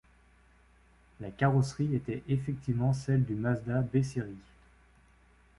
La carrosserie était effectivement celle du Mazda B-Series.